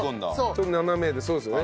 ちょっと斜めでそうですよね。